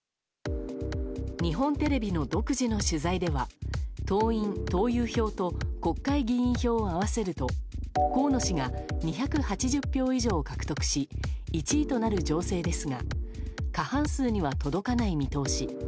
日本テレビの独自の取材では党員・党友票と国会議員票を合わせると河野氏が２８０票以上を獲得し１位となる情勢ですが過半数には届かない見通し。